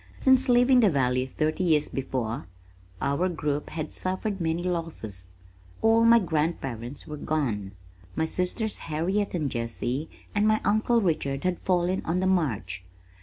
Since leaving the valley thirty years before our group had suffered many losses. All my grandparents were gone. My sisters Harriet and Jessie and my uncle Richard had fallen on the march.